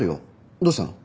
どうしたの？